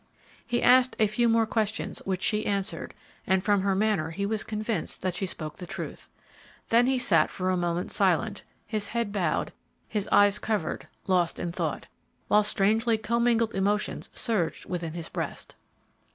He asked a few more questions which she answered, and from her manner he was convinced that she spoke the truth. Then he sat for a moment silent, his head bowed, his eyes covered, lost in thought, while strangely commingled emotions surged within his breast.